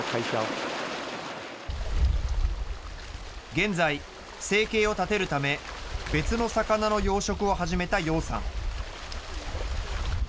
現在、生計を立てるため、別の魚の養殖を始めたようさん。